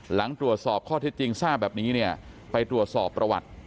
หลังตรวจสอบข้อเท็จจริงทราบแบบนี้เนี่ยไปตรวจสอบประวัติ